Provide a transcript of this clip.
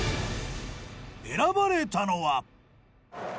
選ばれたのは。